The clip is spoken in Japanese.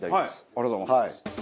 ありがとうございます。